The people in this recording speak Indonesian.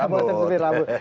boten semir rambut